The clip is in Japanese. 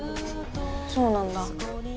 そうなんだ。